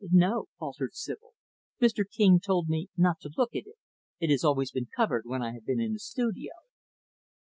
"No," faltered Sibyl. "Mr. King told me not to look at it. It has always been covered when I have been in the studio."